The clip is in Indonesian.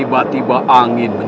kau ini mengakukan